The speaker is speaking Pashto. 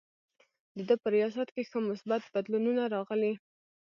د ده په ریاست کې ښه مثبت بدلونونه راغلي.